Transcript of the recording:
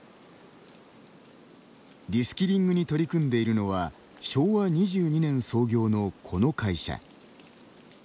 リスキリングに取り組んでいるのは昭和２２年創業のこの会社。